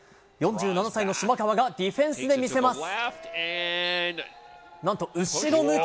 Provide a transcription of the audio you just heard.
４７歳の島川がディフェンスで見せます。